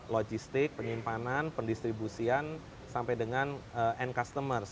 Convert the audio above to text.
logistik penyimpanan pendistribusian sampai dengan end customer